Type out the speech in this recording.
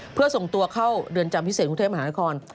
เพื่อส่งตัวเข้าเรือนจำพิเศษกรุงเทพมหานคร